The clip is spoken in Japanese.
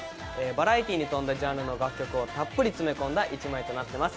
バラエティーに富んだジャンルの楽曲をたっぷり詰め込んだ一枚となってます。